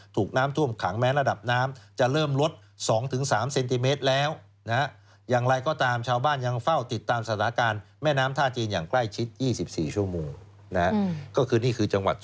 ถูกน้ำท่วมขังแม้ระดับน้ำจะเริ่มลด๒๓เซนติเมตรแล้วนะฮะ